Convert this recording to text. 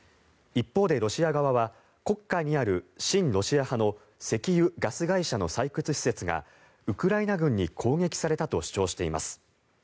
一方で、ロシア側は黒海にある親ロシア派の石油・ガス会社の採掘施設がウクライナ軍に攻撃されたと主張しています。